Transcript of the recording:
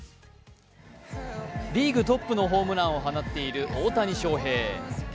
リーグトップのホームランを放っている大谷翔平。